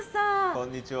こんにちは。